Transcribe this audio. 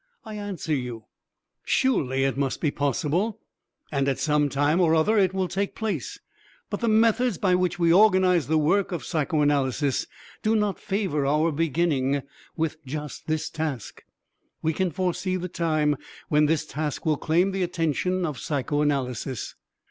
I answer you: Surely it must be possible and at some time or other it will take place; but the methods by which we organize the work of psychoanalysis do not favor our beginning with just this task. We can foresee the time when this task will claim the attention of psychoanalysis.